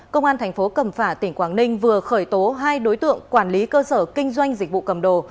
công an thành phố cẩm phả tỉnh quảng ninh vừa khởi tố hai đối tượng quản lý cơ sở kinh doanh dịch vụ cầm đồ